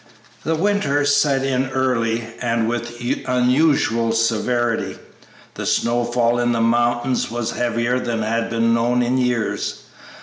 The winter set in early and with unusual severity. The snowfall in the mountains was heavier than had been known in years.